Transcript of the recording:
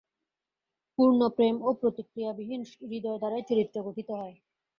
পূর্ণ প্রেম ও প্রতিক্রিয়াহীন হৃদয় দ্বারাই চরিত্র গঠিত হয়।